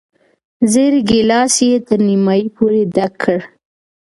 زېړ ګیلاس یې تر نیمايي پورې ډک کړ.